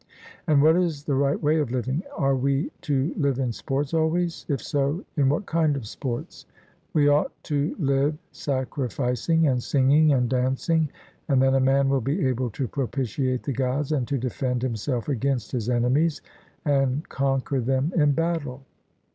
And what is the right way of living? Are we to live in sports always? If so, in what kind of sports? We ought to live sacrificing, and singing, and dancing, and then a man will be able to propitiate the Gods, and to defend himself against his enemies and conquer them in battle.